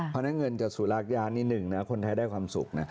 พอนั่นเงินจะสูลากญาณอีกหนึ่งคนไทยได้ความสุข